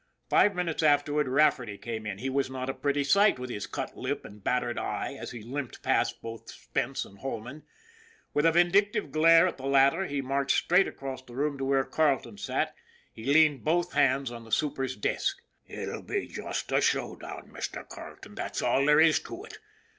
Five minutes afterward Rafferty came in. He was not a pretty sight with his cut lip and battered eye as he limped past both Spence and Holman. With a vindictive glare at the latter he marched straight across the room to where Carleton sat. He leaned both hands on the super's desk. " Ut'll be just a show down, Mr. Carleton, that's all there is to ut.